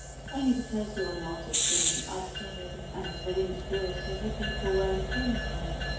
Only because you are not as given up to Him and as willing to do it as the people were in former times.